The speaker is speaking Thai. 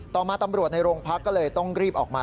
ต่อมาตำรวจในโรงพักก็เลยต้องรีบออกมา